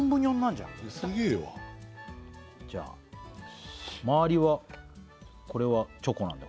じゃあ周りはこれはチョコなんだ